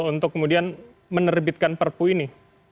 untuk kemudian menerbitkan perpu ini